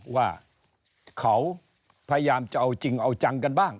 ว่าเขาพยายามจะเอาจริงเอาจังกันบ้าง